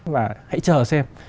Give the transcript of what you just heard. và hãy chờ xem